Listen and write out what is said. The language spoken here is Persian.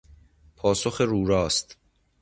پاسخ روراست